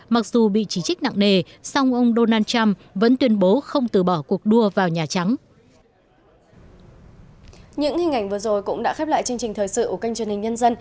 mặc dù bị chỉ trích nặng nề song ông donald trump vẫn tuyên bố không từ bỏ cuộc đua vào nhà trắng